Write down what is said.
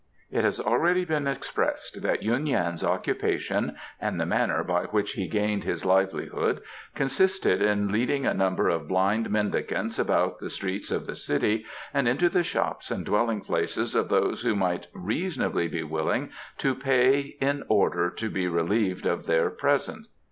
It has already been expressed that Yuen Yan's occupation and the manner by which he gained his livelihood consisted in leading a number of blind mendicants about the streets of the city and into the shops and dwelling places of those who might reasonably be willing to pay in order to be relieved of their presence.